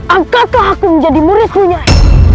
angkatkah aku menjadi muridmu nyai